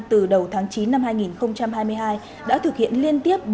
từ đầu tháng chín năm hai nghìn hai mươi hai đã thực hiện liên tiếp